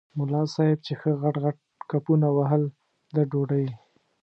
ملا صاحب چې ښه غټ غټ کپونه وهل د ډوډۍ.